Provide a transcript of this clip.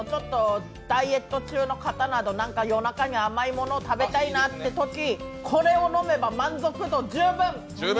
ダイエット中の方など夜中に甘いもの食べたいなってとき、これを飲めば満足度十分。